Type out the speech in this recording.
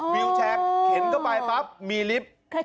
วิวแชร์เข็นเข้าไปปั๊บมีลิฟต์